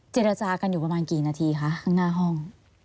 เจรจากันอยู่ประมาณกี่นาทีคะข้างหน้าห้อง